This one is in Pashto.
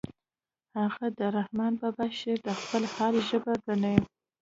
هغه د رحمن بابا شعر د خپل حال ژبه ګڼي